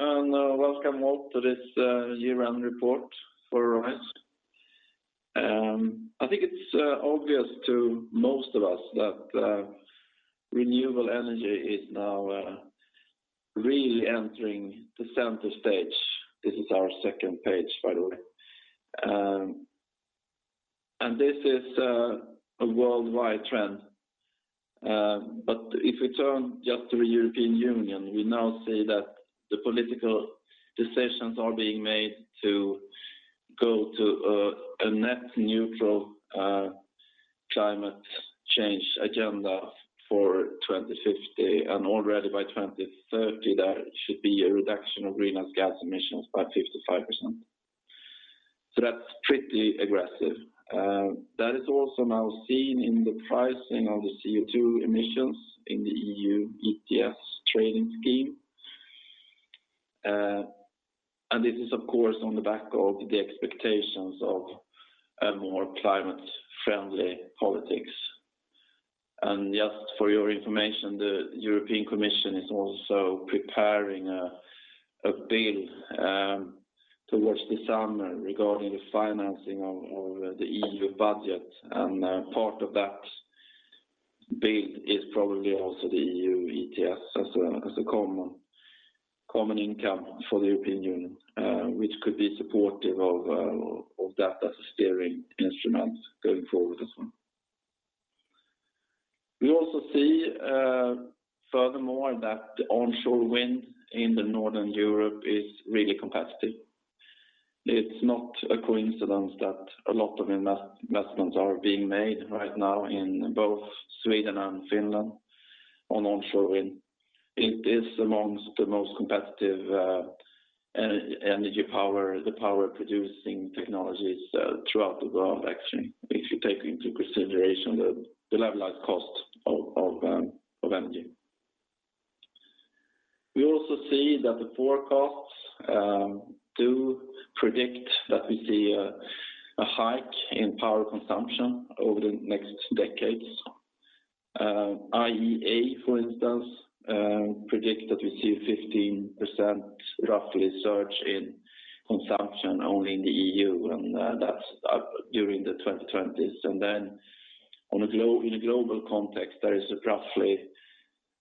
Thank you very much. Welcome all to this year-end report for Arise. I think it's obvious to most of us that renewable energy is now really entering the center stage. This is our second page, by the way. This is a worldwide trend. If we turn just to the European Union, we now see that the political decisions are being made to go to a net-neutral climate change agenda for 2050. Already by 2030, there should be a reduction of greenhouse gas emissions by 55%. That's pretty aggressive. That is also now seen in the pricing of the CO2 emissions in the EU ETS trading scheme. This is, of course, on the back of the expectations of a more climate-friendly politics. Just for your information, the European Commission is also preparing a bill towards the summer regarding the financing of the EU budget. Part of that bill is probably also the EU ETS as a common income for the European Union, which could be supportive of that as a steering instrument going forward as well. We also see, furthermore, that the onshore wind in Northern Europe is really competitive. It's not a coincidence that a lot of investments are being made right now in both Sweden and Finland on onshore wind. It is amongst the most competitive power-producing technologies throughout the world, actually, if you take into consideration the levelized cost of energy. We also see that the forecasts do predict that we see a hike in power consumption over the next decades. IEA, for instance, predict that we see a 15%, roughly, surge in consumption only in the EU, and that's during the 2020s. In a global context, there is roughly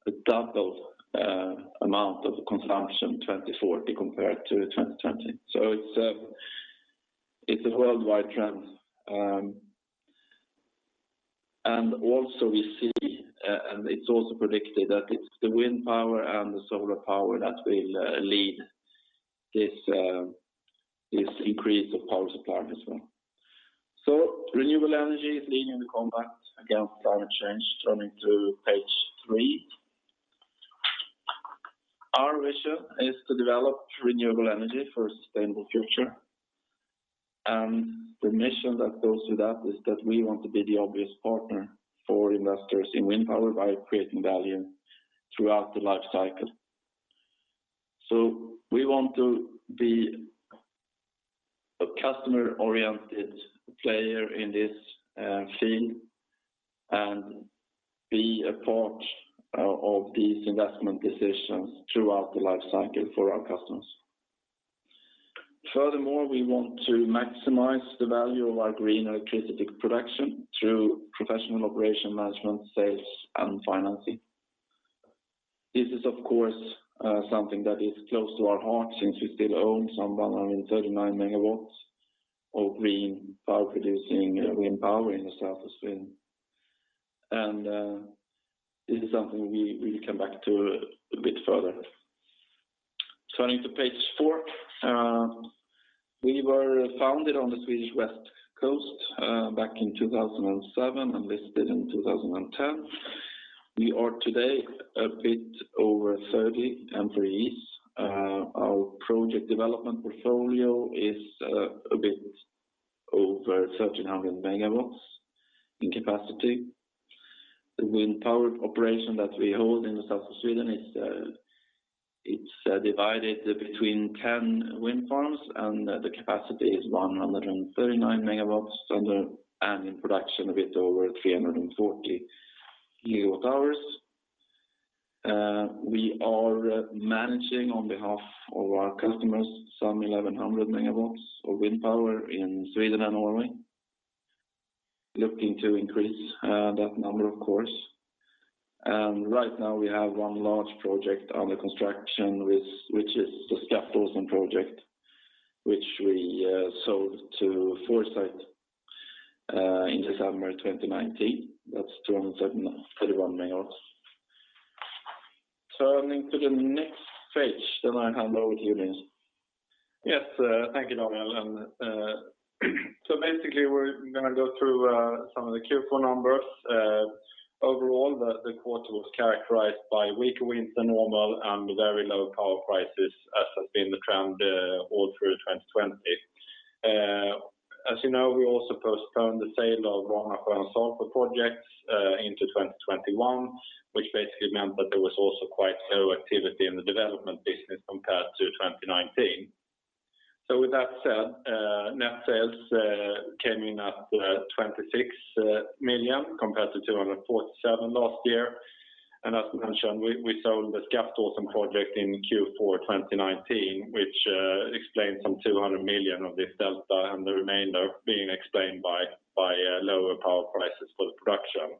a double amount of consumption 2040 compared to 2020. It's a worldwide trend. It's also predicted that it's the wind power and the solar power that will lead this increase of power supply as well. Renewable energy is leading the combat against climate change. Turning to page three. Our vision is to develop renewable energy for a sustainable future. The mission that goes with that is that we want to be the obvious partner for investors in wind power by creating value throughout the life cycle. We want to be a customer-oriented player in this field and be a part of these investment decisions throughout the life cycle for our customers. Furthermore, we want to maximize the value of our green electricity production through professional operation management, sales, and financing. This is, of course, something that is close to our heart since we still own some 139 MW of green power-producing wind power in the south of Sweden. This is something we'll come back to a bit further. Turning to page four. We were founded on the Swedish west coast back in 2007 and listed in 2010. We are today a bit over 30 employees. Our project development portfolio is a bit over 1,300 MW in capacity. The wind power operation that we hold in the south of Sweden, it's divided between 10 wind farms, and the capacity is 139 MW, and in production a bit over 340 GWh. We are managing on behalf of our customers some 1,100 MW of wind power in Sweden and Norway. Looking to increase that number, of course. Right now we have one large project under construction, which is the Skaftåsen project, which we sold to Foresight in December 2019. That's 231 MW. Turning to the next page. I hand over to you, Linus. Yes. Thank you, Daniel. Basically, we're going to go through some of the Q4 numbers. Overall, the quarter was characterized by weaker winds than normal and very low power prices as has been the trend all through 2020. As you know, we also postponed the sale of one of our offshore projects into 2021, which basically meant that there was also quite low activity in the development business compared to 2019. With that said, net sales came in at 26 million compared to 247 million last year. As mentioned, we sold the Skaftåsen project in Q4 2019, which explains some 200 million of this delta and the remainder being explained by lower power prices for the production.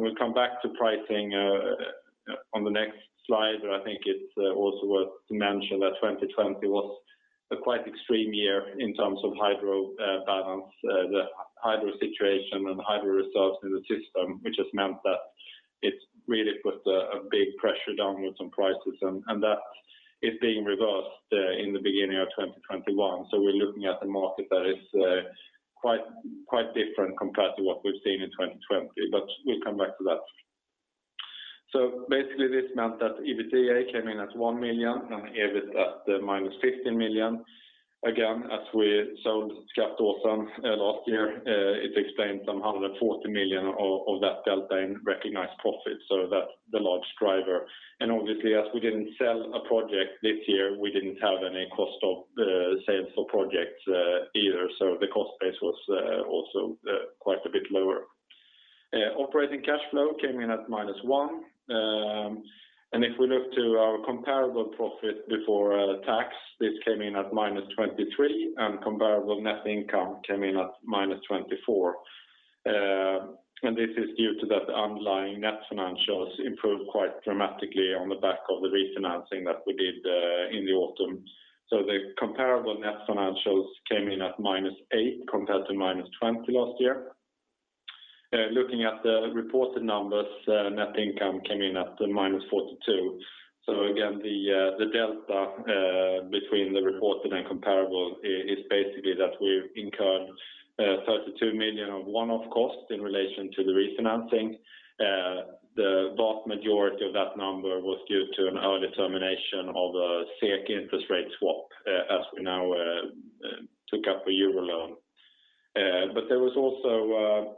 We'll come back to pricing on the next slide. I think it's also worth to mention that 2020 was a quite extreme year in terms of hydro balance, the hydro situation and the hydro results in the system, which has meant that it really put a big pressure downwards on prices and that is being reversed in the beginning of 2021. We're looking at a market that is quite different compared to what we've seen in 2020. We'll come back to that. Basically this meant that EBITDA came in at 1 million and EBIT at the -15 million. Again, as we sold Skaftåsen last year, it explains 140 million of that delta in recognized profits. That's the large driver. Obviously, as we didn't sell a project this year, we didn't have any cost of sales for projects either. The cost base was also quite a bit lower. Operating cash flow came in at -1. If we look to our comparable profit before tax, this came in at -23, comparable net income came in at -24. This is due to that underlying net financials improved quite dramatically on the back of the refinancing that we did in the autumn. The comparable net financials came in at -8 compared to -20 last year. Looking at the reported numbers, net income came in at -42. Again, the delta between the reported and comparable is basically that we've incurred 32 million of one-off costs in relation to the refinancing. The vast majority of that number was due to an early termination of a SEK swap, as we now took up a euro loan. There was also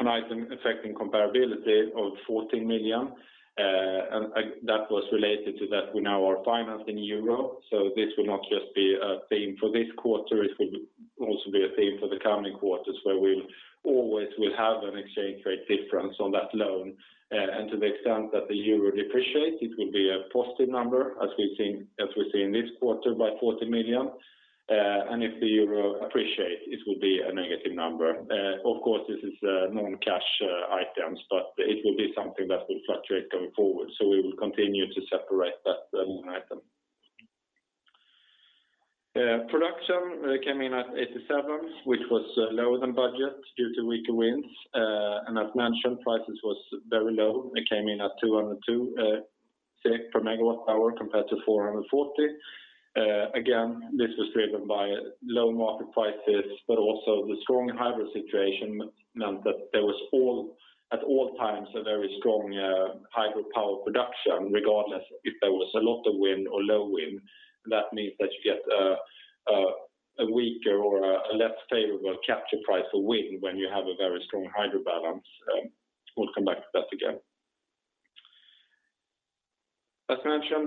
an item affecting comparability of 14 million, and that was related to that we now are financed in euro. This will not just be a theme for this quarter, it will also be a theme for the coming quarters, where we always will have an exchange rate difference on that loan. To the extent that the euro depreciates, it will be a positive number, as we see in this quarter, by 14 million. If the euro appreciates, it will be a negative number. Of course, this is non-cash items, but it will be something that will fluctuate going forward. We will continue to separate that item. Production came in at 87, which was lower than budget due to weaker winds. As mentioned, prices was very low. It came in at 202 per MWh compared to 440. This was driven by low market prices, but also the strong hydro situation meant that there was at all times a very strong hydropower production, regardless if there was a lot of wind or low wind. That means that you get a weaker or a less favorable capture price for wind when you have a very strong hydro balance. We'll come back to that again.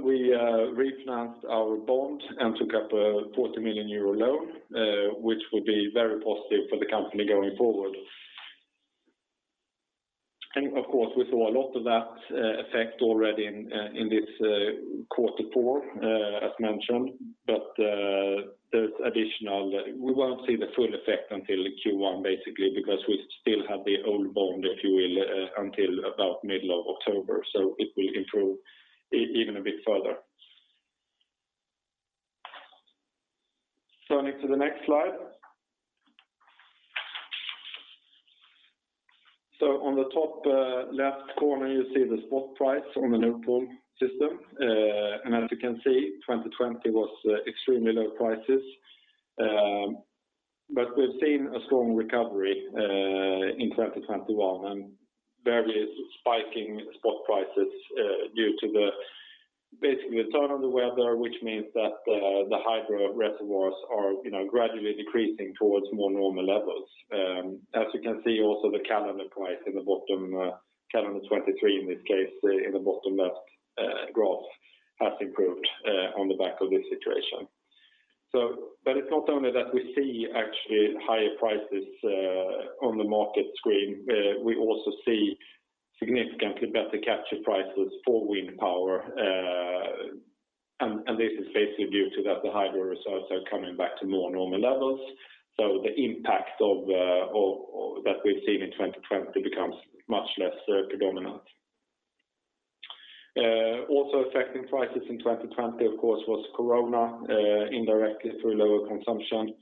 We refinanced our bond and took up a 40 million euro loan, which will be very positive for the company going forward. Of course, we saw a lot of that effect already in this quarter four, as mentioned. We won't see the full effect until Q1, basically, because we still have the old bond, if you will, until about middle of October. It will improve even a bit further. Turning to the next slide. On the top left corner, you see the spot price on the Nord Pool system. As you can see, 2020 was extremely low prices. We've seen a strong recovery, in 2021 and various spiking spot prices due to basically the turn of the weather, which means that the hydro reservoirs are gradually decreasing towards more normal levels. As you can see, also the calendar price in the bottom, [calendar 2023] in this case, in the bottom left graph, has improved on the back of this situation. It's not only that we see actually higher prices on the market screen, we also see significantly better capture prices for wind power. This is basically due to that the hydro results are coming back to more normal levels. The impact that we've seen in 2020 becomes much less predominant. Affecting prices in 2020, of course, was Corona, indirectly through lower consumption.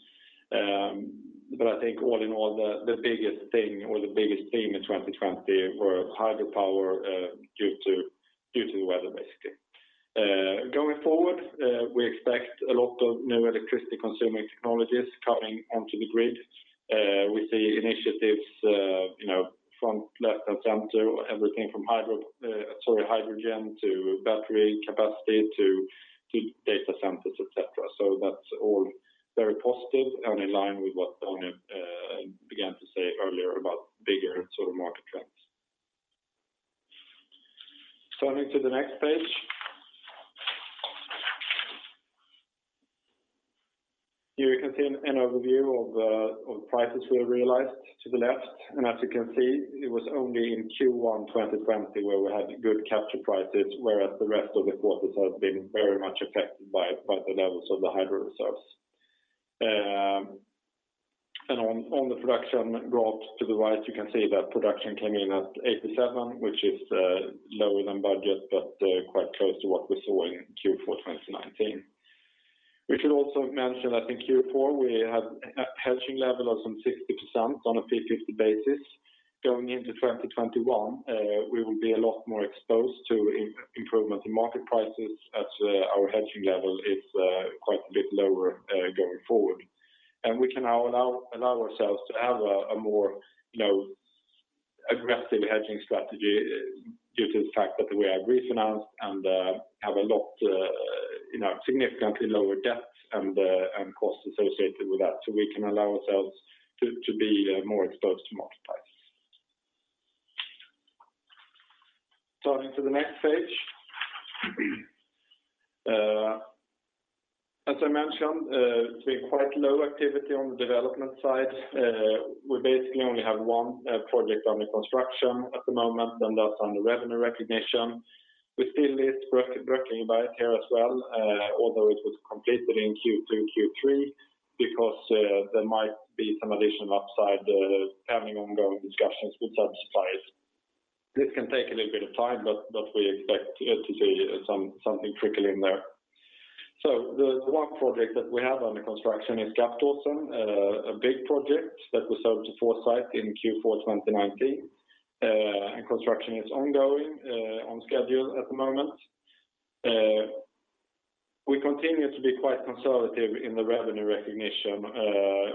I think all in all, the biggest thing or the biggest theme in 2020 were hydro power, due to the weather, basically. Going forward, we expect a lot of new electricity-consuming technologies coming onto the grid. We see initiatives front, left, and center, everything from hydrogen to battery capacity to heat data centers, et cetera. That's all very positive and in line with what Daniel began to say earlier about bigger sort of market trends. Turning to the next page. Here you can see an overview of prices we have realized to the left. As you can see, it was only in Q1 2020 where we had good capture prices, whereas the rest of the quarters have been very much affected by the levels of the hydro reserves. On the production graph to the right, you can see that production came in at 87, which is lower than budget, but quite close to what we saw in Q4 2019. We should also mention that in Q4 we had a hedging level of some 60% on a 50/50 basis. Going into 2021, we will be a lot more exposed to improvement in market prices as our hedging level is quite a bit lower going forward. We can now allow ourselves to have a more aggressive hedging strategy due to the fact that we have refinanced and have a significantly lower debt and cost associated with that. We can allow ourselves to be more exposed to market prices. Turning to the next page. As I mentioned, it's been quite low activity on the development side. We basically only have one project under construction at the moment, and that's under revenue recognition. We still list Bröcklingberget here as well, although it was completed in Q2, Q3, because there might be some additional upside. Having ongoing discussions with suppliers. This can take a little bit of time, but we expect to see something trickle in there. The one project that we have under construction is Skaftåsen, a big project that we sold to Foresight in Q4 2019, and construction is ongoing, on schedule at the moment. We continue to be quite conservative in the revenue recognition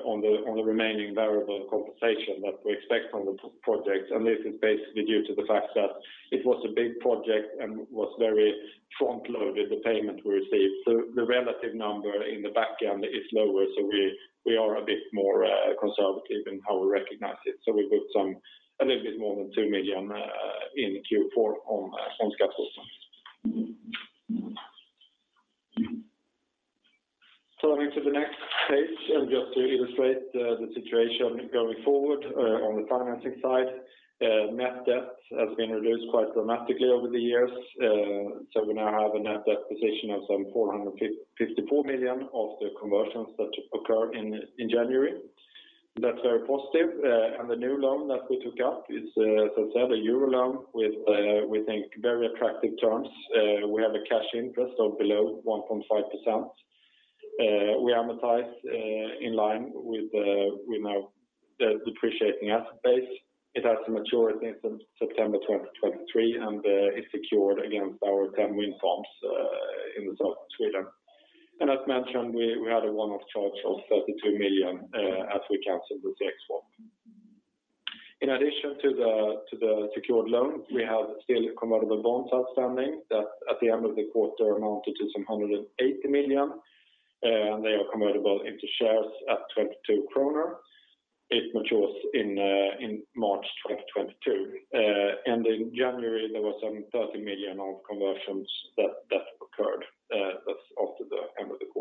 on the remaining variable compensation that we expect from the project. This is basically due to the fact that it was a big project and was very front-loaded, the payment we received. The relative number in the back end is lower. We are a bit more conservative in how we recognize it. We put a little bit more than SEK 2 million in Q4 on Skaftåsen. Turning to the next page, just to illustrate the situation going forward on the financing side. Net debt has been reduced quite dramatically over the years. We now have a net debt position of some 454 million of the conversions that occur in January. That's very positive. The new loan that we took up is, as I said, a euro loan with, we think, very attractive terms. We have a cash interest of below 1.5%. We amortize in line with the depreciating asset base. It has to maturity in September 2023, and it's secured against our 10 wind farms in the south of Sweden. As mentioned, we had a one-off charge of 32 million as we canceled the SEK swap. In addition to the secured loan, we have still convertible bonds outstanding that at the end of the quarter amounted to some 180 million. They are convertible into shares at 22 kronor. It matures in March 2022. In January, there were some 30 million of conversions that occurred. That's after the end of the quarter.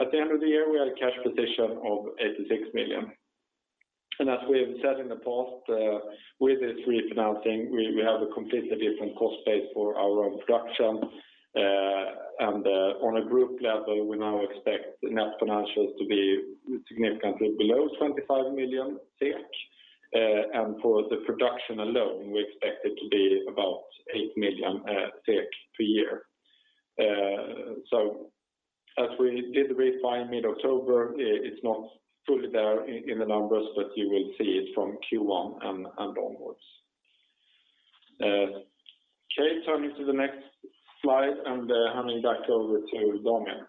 At the end of the year, we had a cash position of 86 million. As we have said in the past, with this refinancing, we have a completely different cost base for our own production. On a group level, we now expect net financials to be significantly below 25 million. For the production alone, we expect it to be about 8 million SEK per year. As we did refine mid-October, it's not fully there in the numbers, but you will see it from Q1 and onwards. Okay, turning to the next slide and handing back over to Daniel.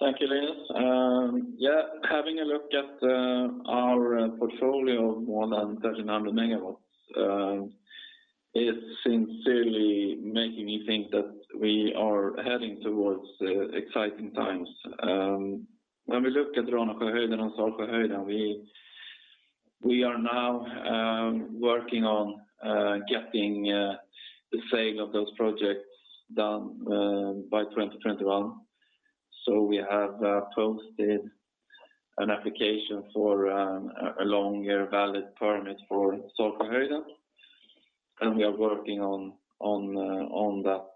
Thank you, Linus. Yeah, having a look at our portfolio of more than 1,300 MW, it's sincerely making me think that we are heading towards exciting times. Looking at Ranasjöhöjden and Salsjöhöjden, we are now working on getting the sale of those projects done by 2021. We have posted an application for a longer valid permit for Salsjöhöjden, we are working on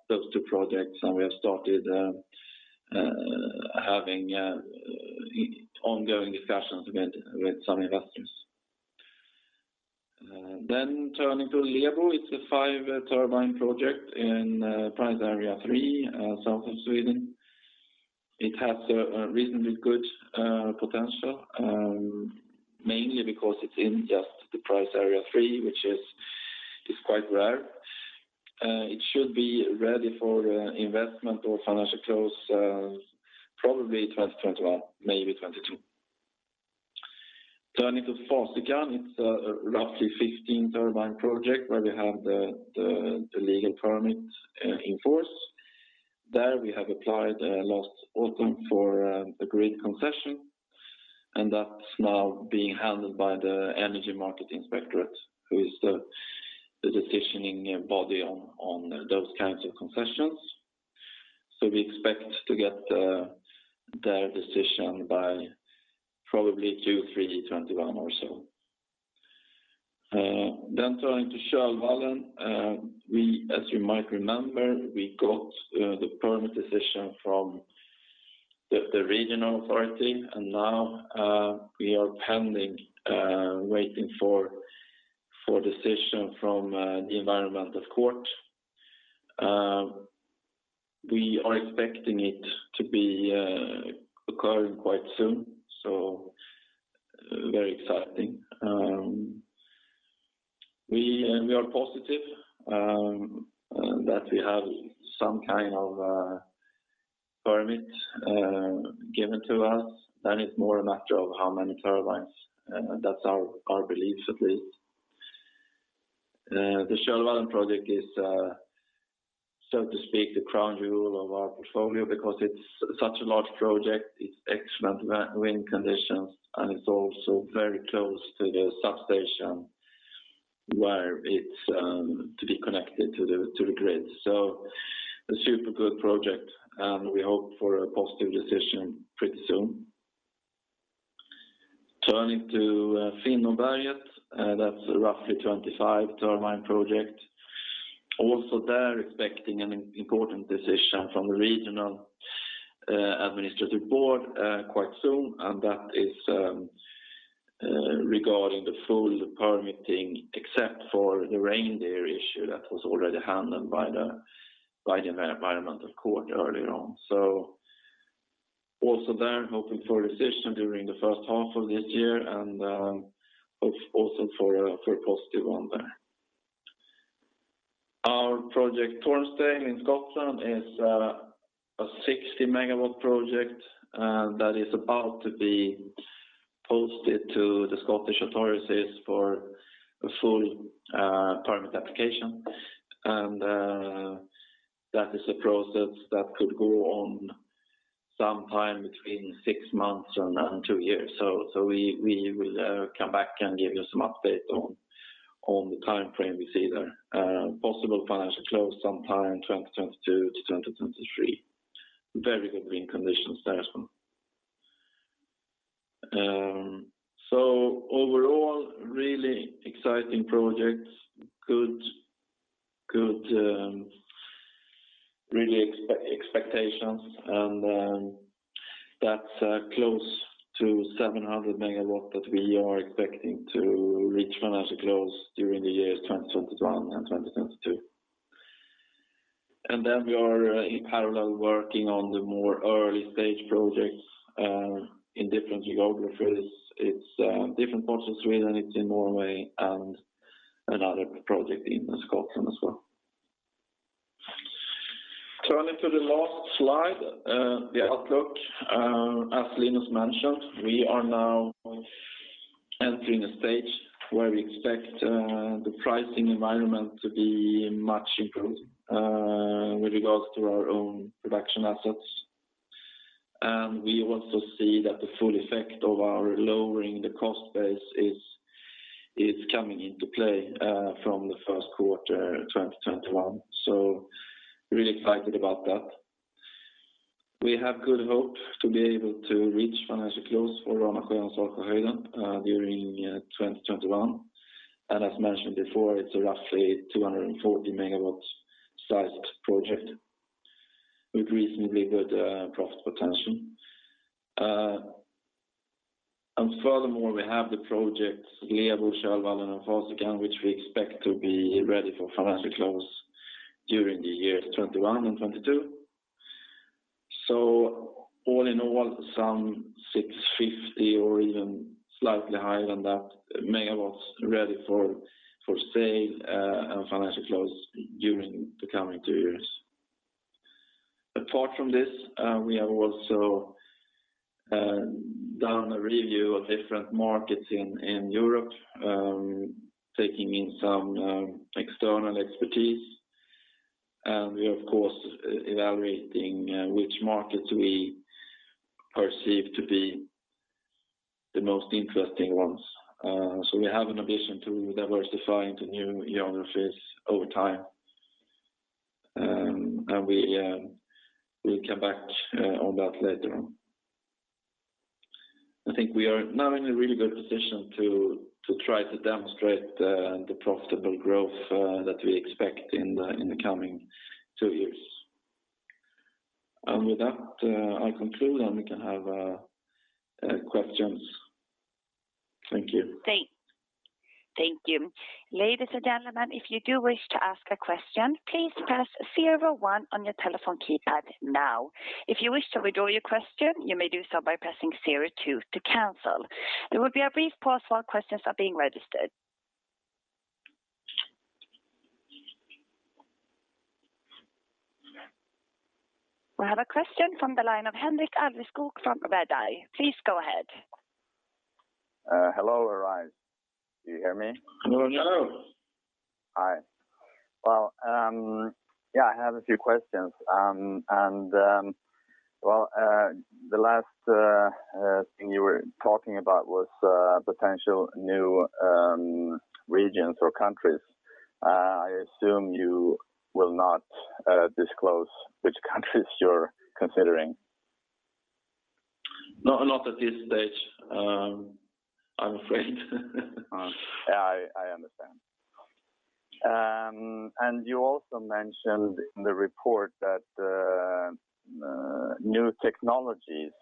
those two projects, we have started having ongoing discussions with some investors. Turning to Lebo, it's a five-turbine project in Price Area 3, southern Sweden. It has a reasonably good potential, mainly because it's in just the Price Area 3, which is quite rare. It should be ready for investment or financial close probably 2021, maybe 2022. Turning to Fasikan, it's a roughly 15-turbine project where we have the legal permit in force. There we have applied last autumn for a grid concession. That's now being handled by the Energy Markets Inspectorate, who is the decisioning body on those kinds of concessions. We expect to get their decision by probably Q3 2021 or so. Turning to Kölvallen, as you might remember, we got the permit decision from the regional authority, and now we are pending, waiting for decision from the environmental court. We are expecting it to be occurring quite soon, so very exciting. We are positive that we have some kind of permit given to us, then it's more a matter of how many turbines, that's our belief at least. The Kölvallen project is, so to speak, the crown jewel of our portfolio because it's such a large project, it's excellent wind conditions, and it's also very close to the substation where it's to be connected to the grid. A super good project and we hope for a positive decision pretty soon. Turning to Finnåberget, that's a roughly 25 turbine project. Also there, expecting an important decision from the Regional Administrative Board quite soon, and that is regarding the full permitting except for the reindeer issue that was already handled by the environmental court earlier on. Also there, hoping for a decision during the first half of this year and hope also for a positive one there. Our project Tormsdale in Scotland is a 60 MW project that is about to be posted to the Scottish authorities for a full permit application. That is a process that could go on sometime between six months and two years. We will come back and give you some update on the timeframe we see there. Possible financial close sometime 2022 to 2023. Very good wind conditions there as well. Overall, really exciting projects, good expectations and that's close to 700 MW that we are expecting to reach financial close during the years 2021 and 2022. Then we are in parallel working on the more early-stage projects in different geographies. It's different parts of Sweden, it's in Norway, and another project in Scotland as well. Turning to the last slide, the outlook. As Linus mentioned, we are now entering a stage where we expect the pricing environment to be much improved with regards to our own production assets. We also see that the full effect of our lowering the cost base is coming into play from the first quarter 2021, so really excited about that. We have good hope to be able to reach financial close for Ranasjö and Salsjöhöjden during 2021. As mentioned before, it's a roughly 240 MW-sized project with reasonably good profit potential. Furthermore, we have the projects, Lebo, Kölvallen, and Fasikan, which we expect to be ready for financial close during the years 2021 and 2022. All in all, some 650 or even slightly higher than that megawatts ready for sale and financial close during the coming two years. Apart from this, we have also done a review of different markets in Europe, taking in some external expertise, and we are of course evaluating which markets we perceive to be the most interesting ones. We have an ambition to diversify into new geographies over time, and we'll come back on that later on. I think we are now in a really good position to try to demonstrate the profitable growth that we expect in the coming two years. With that, I conclude, and we can have questions. Thank you. Thank you. Ladies and gentlemen, if you do wish to ask a question, please press zero one on your telephone keypad now. If you wish to withdraw your question, you may do so by pressing zero two to cancel. There will be a brief pause while questions are being registered. We have a question from the line of Henrik Alveskog from Redeye. Please go ahead. Hello, Arise. Do you hear me? Hello. Hi. I have a few questions. The last thing you were talking about was potential new regions or countries. I assume you will not disclose which countries you're considering. Not at this stage, I'm afraid. I understand. You also mentioned in the report that new technologies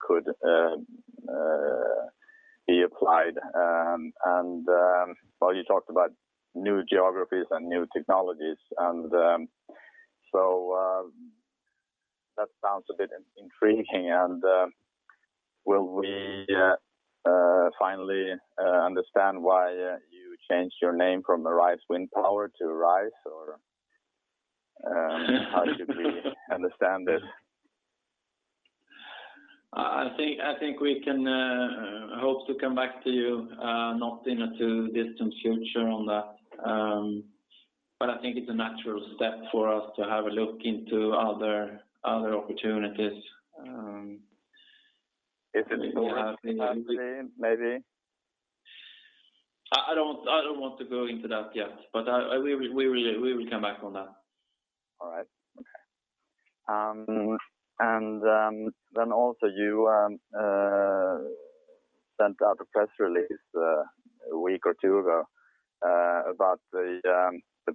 could be applied. You talked about new geographies and new technologies. That sounds a bit intriguing. Will we finally understand why you changed your name from Arise Windpower to Arise? How should we understand it? I think we can hope to come back to you, not in a too distant future on that. I think it's a natural step for us to have a look into other opportunities. Is it solar possibly, maybe? I don't want to go into that yet, but we will come back on that. All right. Okay. Also you sent out a press release a week or two ago about the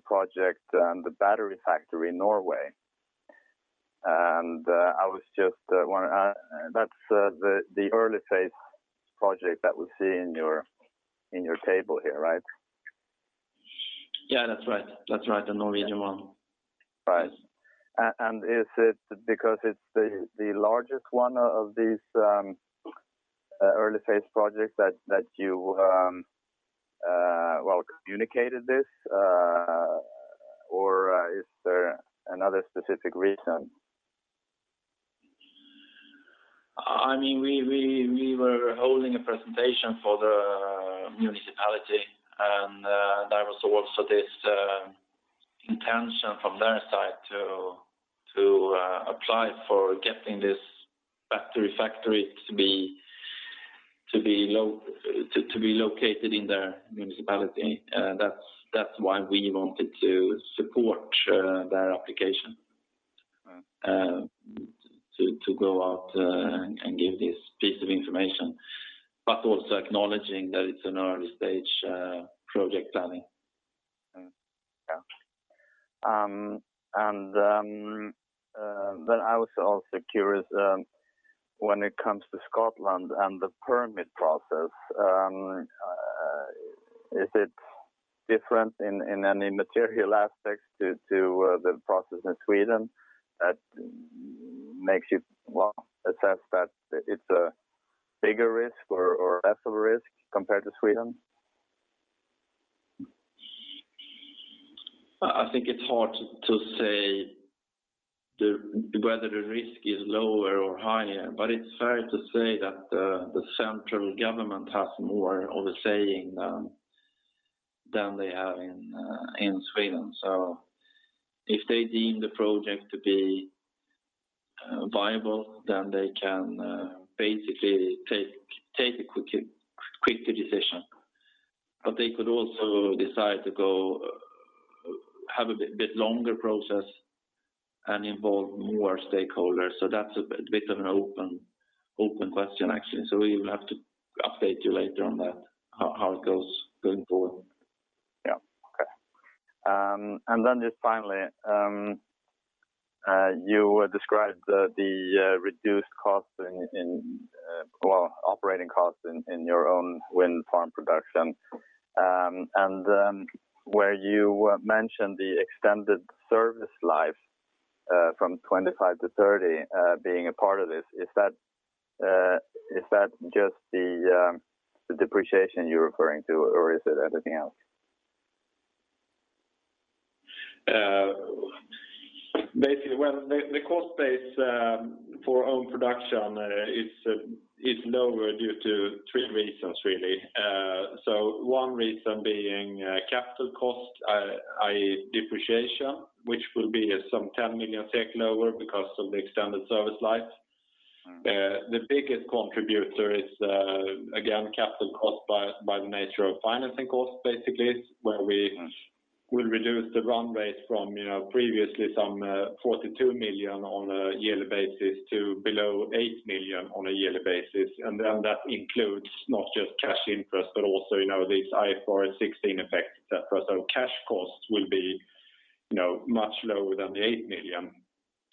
project, the battery factory in Norway. That's the early phase project that we see in your table here, right? Yeah, that's right. The Norwegian one. Right. Is it because it's the largest one of these early phase projects that you communicated this? Or is there another specific reason? We were holding a presentation for the municipality, and there was also this intention from their side to apply for getting this battery factory to be located in their municipality. That's why we wanted to support their application. All right. To go out and give this piece of information, but also acknowledging that it's an early-stage project planning. Yeah. I was also curious when it comes to Scotland and the permit process, is it different in any material aspects to the process in Sweden that makes you well assess that it's a bigger risk or less of a risk compared to Sweden? I think it's hard to say whether the risk is lower or higher, but it's fair to say that the central government has more of a say than they have in Sweden. If they deem the project to be viable, then they can basically take a quicker decision. They could also decide to have a bit longer process and involve more stakeholders. That's a bit of an open question, actually. We will have to update you later on that, how it goes going forward. Yeah. Okay. Then just finally, you described the reduced operating cost in your own wind farm production. Where you mentioned the extended service life from 25 to 30 being a part of this, is that just the depreciation you're referring to or is it anything else? Basically, the cost base for own production is lower due to three reasons, really. One reason being capital cost, i.e. depreciation, which will be some 10 million lower because of the extended service life. The biggest contributor is, again, capital cost by the nature of financing cost, basically we will reduce the run rate from previously some 42 million on a yearly basis to below 8 million on a yearly basis. That includes not just cash interest, but also these IFRS 16 effects, et cetera. Cash costs will be much lower than the 8 million.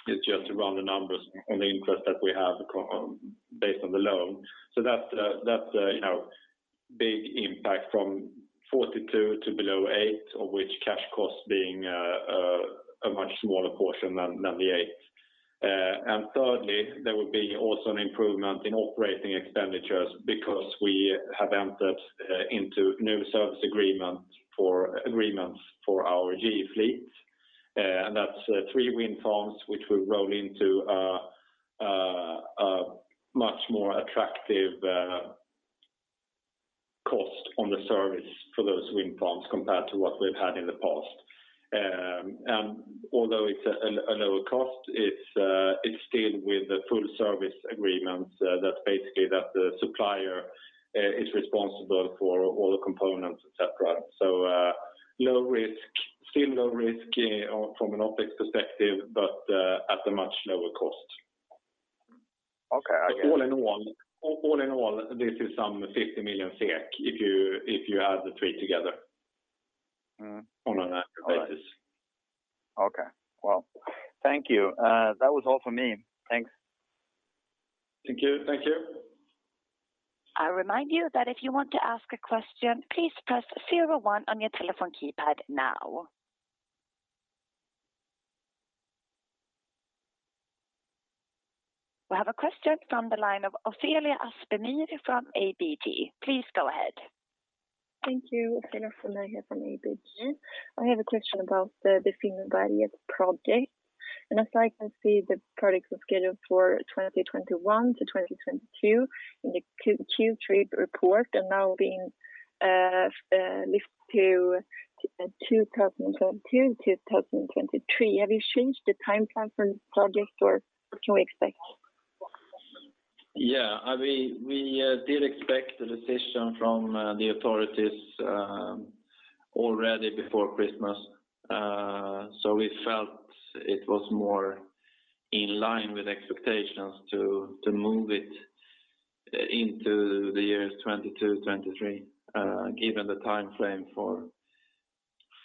It's just to run the numbers on the interest that we have based on the loan. That's a big impact from 42 million to below 8 million, of which cash cost being a much smaller portion than the 8 million. Thirdly, there will be also an improvement in operating expenditures because we have entered into new service agreements for our GE fleet. That's three wind farms, which will roll into a much more attractive cost on the service for those wind farms compared to what we've had in the past. Although it's a lower cost, it's still with the full service agreement, that's basically that the supplier is responsible for all the components, et cetera. Still low risk from an OpEx perspective, but at a much lower cost. Okay, I get it. All in all, this is some 50 million SEK if you add the three together on an annual basis. Okay. Well, thank you. That was all for me. Thanks. Thank you. I remind you that if you want to ask a question, please press 01 on your telephone keypad now. We have a question from the line of Ofelia Aspemyr from ABG. Please go ahead. Thank you. Ofelia Aspemyr from ABG. I have a question about the Bröcklingberget project. As I can see, the project was scheduled for 2021 to 2022 in the Q3 report and now being lifted to 2022 to 2023. Have you changed the time frame for this project, or what can we expect? Yeah, we did expect the decision from the authorities already before Christmas. We felt it was more in line with expectations to move it into the years 2022, 2023, given the time frame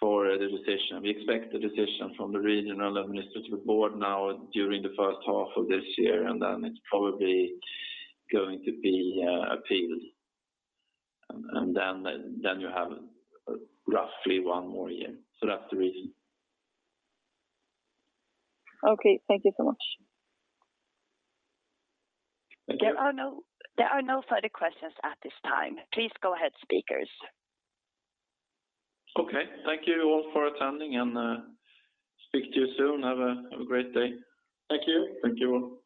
for the decision. We expect the decision from the Regional Administrative Board now during the first half of this year, then it's probably going to be appealed. Then you have roughly one more year. That's the reason. Okay. Thank you so much. There are no further questions at this time. Please go ahead, speakers. Okay. Thank you all for attending and speak to you soon. Have a great day. Thank you. Thank you all.